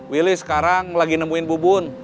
willy sekarang lagi nemuin bubun